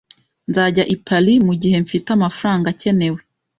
Nzajya i Paris mugihe mfite amafaranga akenewe